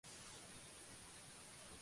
Eso habría sido caer en lo típico.